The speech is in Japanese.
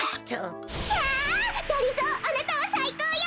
キャがりぞーあなたはさいこうよ！